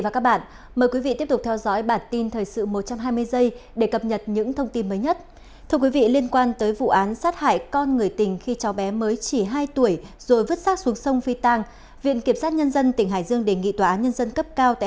các bạn hãy đăng ký kênh để ủng hộ kênh của chúng mình nhé